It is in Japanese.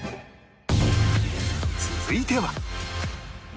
続いては